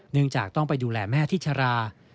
จากต้องไปดูแลแม่ที่ชรา